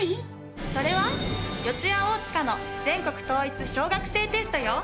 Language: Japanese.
それは四谷大塚の全国統一小学生テストよ。